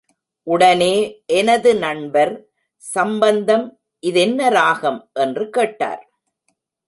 உடனே எனது நண்பர், சம்பந்தம், இதென்ன ராகம்? என்று கேட்டார்!